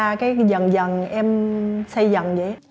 và cái dần dần em xây dần vậy